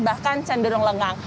bahkan cenderung lengang